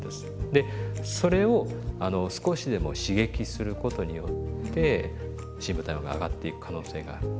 でそれを少しでも刺激することによって深部体温が上がっていく可能性がある。